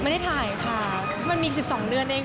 ไม่ได้ถ่ายค่ะมันมีอีก๑๒เดือนเอง